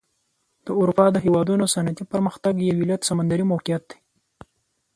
د اروپا د هېوادونو صنعتي پرمختګ یو علت سمندري موقعیت دی.